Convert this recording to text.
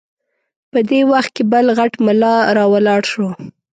په دې وخت کې بل غټ ملا راولاړ شو.